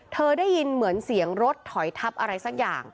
ได้ยินเหมือนเสียงรถถอยทับอะไรสักอย่าง